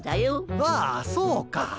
ああそうか。